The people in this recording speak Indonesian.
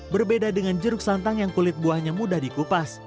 berbeda dengan jeruk santang yang kulit buahnya mudah dikupas